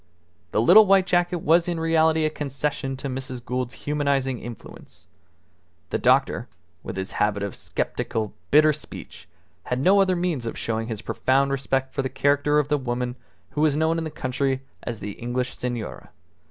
The little white jacket was in reality a concession to Mrs. Gould's humanizing influence. The doctor, with his habit of sceptical, bitter speech, had no other means of showing his profound respect for the character of the woman who was known in the country as the English Senora.